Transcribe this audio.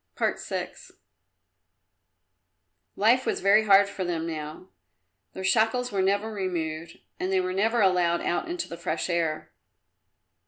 VI Life was very hard for them now. Their shackles were never removed, and they were never allowed out into the fresh air.